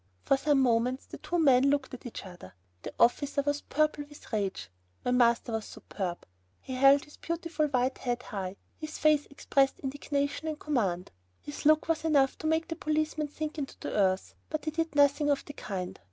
For some moments the two men looked at each other. The officer was purple with rage. My master was superb. He held his beautiful white head high; his face expressed indignation and command. His look was enough to make the policeman sink into the earth, but he did nothing of the kind.